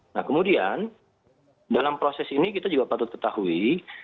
nah kemudian dalam proses ini kita juga patut ketahui